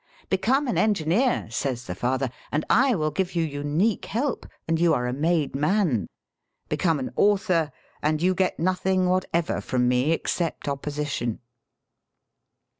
"Become an engineer," says the father, "and I will give you unique help, and you are a made man. Become an author, and you get nothing whatever from me except opposition."